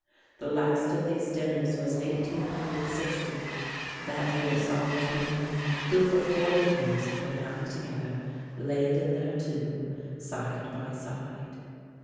The last of these dinners was in 1860. That year saw the twain, who for forty years had been happy together, laid in their tomb side by side.